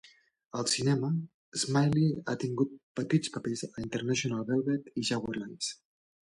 Al cinema, Smillie ha tingut petits papers a "International Velvet" i "Jaguar Lives!".